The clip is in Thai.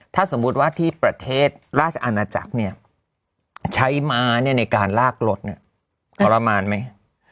ถ้าสมมุติว่าที่ประเทศราชอาณาจักรใช้ม้าในการลากรถทรมานไหม